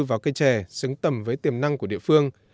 vào cây trẻ xứng tầm với tiềm năng của địa phương